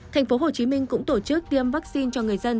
thành phố hồ chí minh cũng tổ chức tiêm vaccine cho người dân